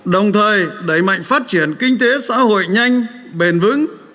đồng thời đẩy mạnh phát triển kinh tế xã hội nhanh bền vững